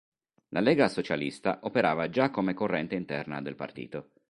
La Lega Socialista operava già come corrente interna del partito.